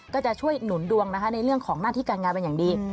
ก็จะช่วยหนุนดวงนะคะในเรื่องของหน้าที่การงานเป็นอย่างดี